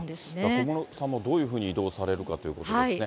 小室さんもどういうふうに移動されるかということですね。